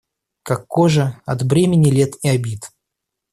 Как кожа, от бремени лет и обид.